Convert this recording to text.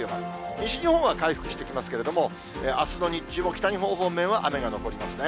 西日本は回復してきますけれども、あすの日中も北日本方面は雨が残りますね。